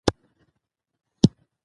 د ولس غږ باید واورېدل شي.